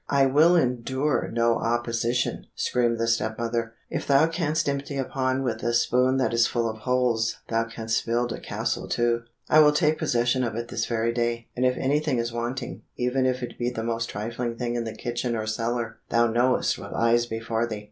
"I will endure no opposition," screamed the step mother. "If thou canst empty a pond with a spoon that is full of holes, thou canst build a castle too. I will take possession of it this very day, and if anything is wanting, even if it be the most trifling thing in the kitchen or cellar, thou knowest what lies before thee!"